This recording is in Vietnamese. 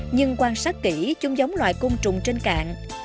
nhưng quan sát kỹ chung giống loài cung trùng trên cạn